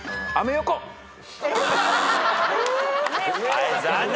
はい残念。